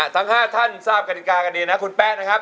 ทั้ง๕ท่านทราบกฎิกากันดีนะคุณแป๊ะนะครับ